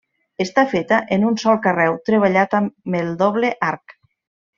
Està feta en un sol carreu treballat amb el doble arc.